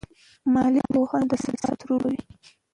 مالي پوهان د ثبات رول لوبوي.